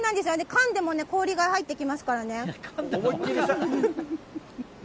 かんでもね、氷が入ってきますか思いっきり。